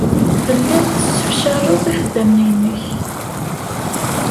Telliḍ tessefcaleḍ ixeddamen-nnek.